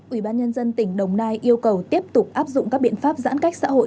ubnd tỉnh đồng nai yêu cầu tiếp tục áp dụng các biện pháp giãn cách xã hội